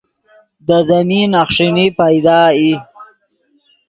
دے زمین اخݰینی پیدا ای